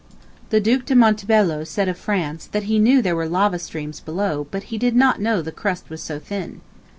The Duc de Montebello said of France, that he "knew there were lava streams below, but he did not know the crust was so thin."